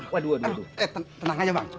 waduh eh tenang aja bang